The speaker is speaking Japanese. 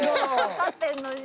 わかってるのに。